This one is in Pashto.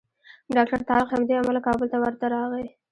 ډاکټر طارق همدې امله کابل ته ورته راغی.